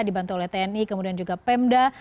dibantu oleh tni kemudian juga pemda